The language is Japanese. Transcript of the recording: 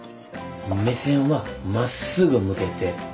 目線はまっすぐ向けて。